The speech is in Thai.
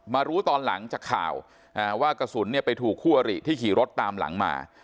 รู้ตอนหลังจากข่าวว่ากระสุนเนี่ยไปถูกคู่อริที่ขี่รถตามหลังมา